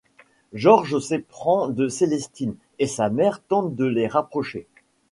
Georges s'éprend de Célestine, et sa mère tente de les rapprocher.